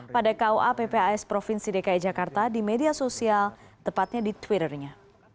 pada kua ppas provinsi dki jakarta di media sosial tepatnya di twitternya